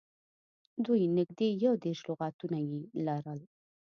دوی نږدې یو دېرش لغاتونه یې لرل.